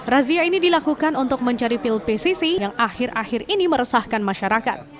razia ini dilakukan untuk mencari pil pcc yang akhir akhir ini meresahkan masyarakat